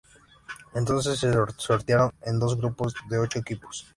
Entonces, se sortearon en dos grupos de ocho equipos.